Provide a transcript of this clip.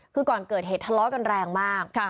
คือก่อนเกิดเหตุทะเลาะกันแรงมาก